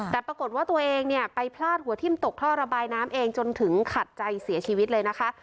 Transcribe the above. แต่ปรากฏว่าตัวเองเนี่ยไปพลาดหัวทิ่มตกท่อระบายน้ำเองจนถึงขัดใจเสียชีวิตเลยนะคะ